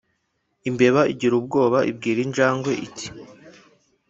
Imbeba igira ubwoba ibwira injangwe iti